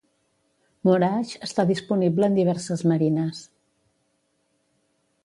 Moorage està disponible en diverses marines.